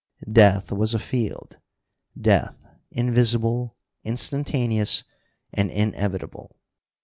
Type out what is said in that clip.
Death was afield, death, invisible, instantaneous, and inevitable.